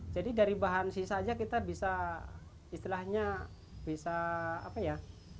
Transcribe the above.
jadi dari bahan sisa aja kita bisa istilahnya bisa apa ya